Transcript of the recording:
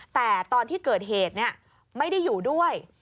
แต่ตอนที่เกิดเหตุไม่ได้อยู่ด้วย